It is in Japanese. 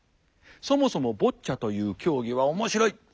そもそもボッチャという競技は面白い。